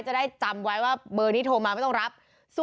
จะได้จำไว้ว่าเบอร์นี้โทรมาไม่ต้องรับ